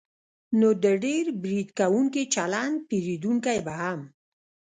نو د ډېر برید کوونکي چلند پېرودونکی به هم